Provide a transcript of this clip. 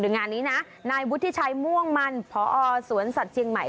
งานนี้นะนายวุฒิชัยม่วงมันพอสวนสัตว์เชียงใหม่